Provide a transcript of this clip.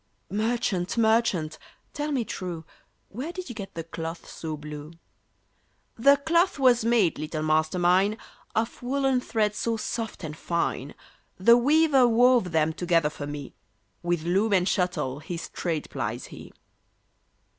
"Merchant, merchant, tell me true, Where did you get the cloth so blue?" "The cloth was made, little Master mine, Of woollen threads so soft and fine. The weaver wove them together for me; With loom and shuttle his trade plies he."